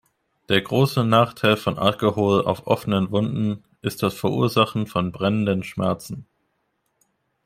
Der große Nachteil von Alkohol auf offenen Wunden ist das Verursachen von brennenden Schmerzen.